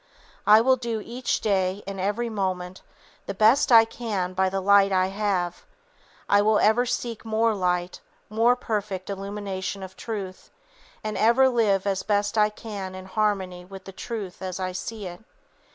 I will do each day, in every moment, the best I can by the light I have; I will ever seek more light, more perfect illumination of truth, and ever live as best I can in harmony with the truth as I see it.